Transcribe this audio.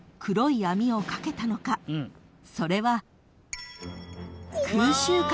［それは］